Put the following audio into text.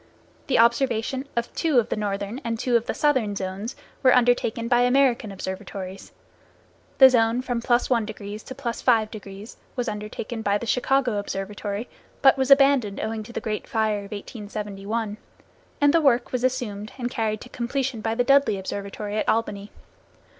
The observation of two of the northern and two of the southern zones were undertaken by American observatories. The zone from +1° to +5° was undertaken by the Chicago Observatory, but was abandoned owing to the great fire of 1871, and the work was assumed and carried to completion by the Dudley Observatory at Albany.